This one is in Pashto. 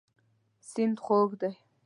سیند خوږ دی.